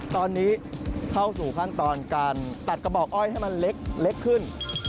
ตอนนี้เข้าสู่ขั้นตอนการตัดกระบอกอ้อยให้มันเล็กขึ้น